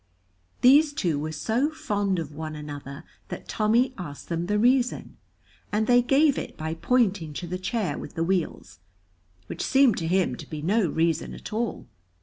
These two were so fond of one another that Tommy asked them the reason, and they gave it by pointing to the chair with the wheels, which seemed to him to be no reason at all.